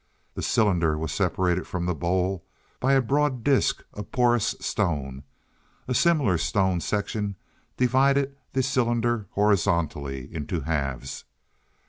The cylinder was separated from the bowl by a broad disc of porous stone; a similar stone section divided the cylinder horizontally into halves.